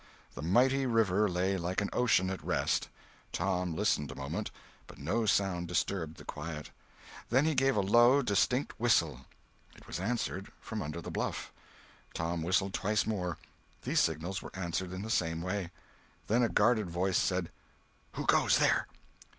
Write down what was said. The mighty river lay like an ocean at rest. Tom listened a moment, but no sound disturbed the quiet. Then he gave a low, distinct whistle. It was answered from under the bluff. Tom whistled twice more; these signals were answered in the same way. Then a guarded voice said: "Who goes there?"